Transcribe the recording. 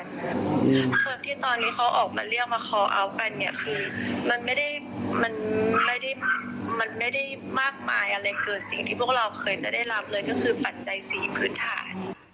คือที่ตอนนี้เขาออกมาเรียกมาคอเอาท์กันเนี่ยคือมันไม่ได้มันไม่ได้มันไม่ได้มากมายอะไรเกินสิ่งที่พวกเราเคยจะได้รับเลยก็คือปัจจัยสีพื้นฐาน